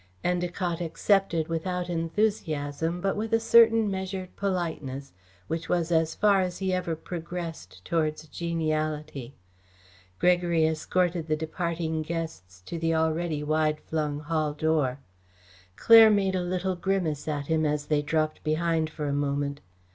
Endacott accepted without enthusiasm, but with a certain measured politeness, which was as far as he ever progressed towards geniality. Gregory escorted the departing guests to the already wide flung hall door. Claire made a little grimace at him, as they dropped behind for a moment.